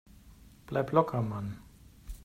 Bleib locker, Mann!